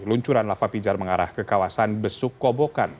luncuran lava pijar mengarah ke kawasan besukobokan